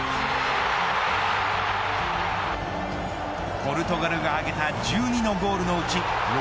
ポルトガルが挙げた１２のゴールのうち６